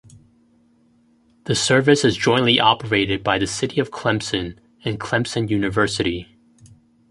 The service is jointly operated by the City of Clemson and Clemson University.